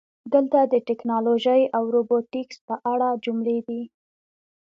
دلته د "ټکنالوژي او روبوټیکس" په اړه جملې دي: